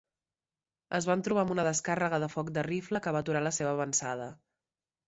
Es van trobar amb una descàrrega de foc de rifle que va aturar la seva avançada.